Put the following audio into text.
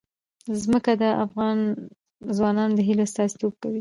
ځمکه د افغان ځوانانو د هیلو استازیتوب کوي.